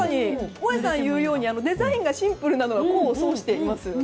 萌さんが言うようにデザインがシンプルなのが功を奏していますよね。